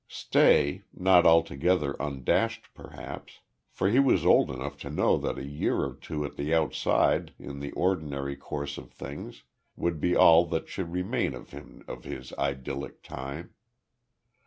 Stay not altogether undashed perhaps, for he was old enough to know that a year or two at the outside in the ordinary course of things would be all that should remain to him of this idyllic time.